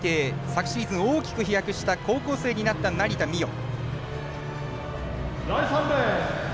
昨シーズン大きく飛躍した高校生になった成田実生。